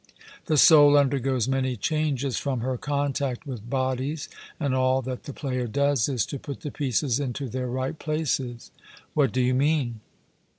The soul undergoes many changes from her contact with bodies; and all that the player does is to put the pieces into their right places. 'What do you mean?'